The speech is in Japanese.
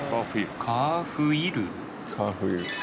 「カーフイル」？